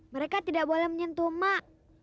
mereka tidak boleh menyentuh mak